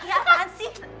ya apaan sih